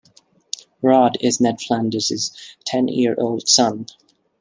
Rod is Ned Flanders' ten-year-old son.